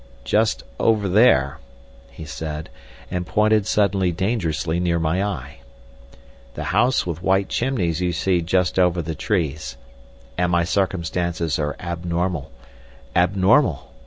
"Just over there," he said, and pointed suddenly dangerously near my eye. "The house with white chimneys you see just over the trees. And my circumstances are abnormal—abnormal.